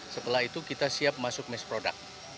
setelah itu kita siap masuk miss product